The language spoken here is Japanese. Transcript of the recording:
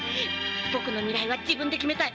僕の未来は自分で決めたい。